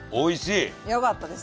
よかったです。